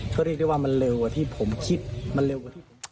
ก็เรียกได้ว่ามันเร็วกว่าที่ผมคิดมันเร็วกว่าที่